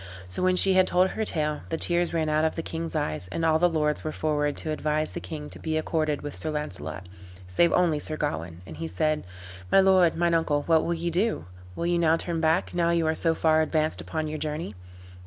So when she had told her tale, the tears ran out of the king's eyes; and all the lords were forward to advise the king to be accorded with Sir Launcelot, save only Sir Gawain; and he said, "My lord, mine uncle, what will ye do? Will you now turn back, now you are so far advanced upon your journey?